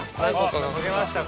書けましたか？